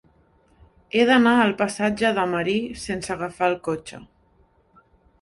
He d'anar al passatge de Marí sense agafar el cotxe.